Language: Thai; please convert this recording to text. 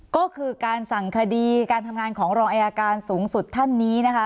ก็คือการสั่งคดีการทำงานของรองอายการสูงสุดท่านนี้นะคะ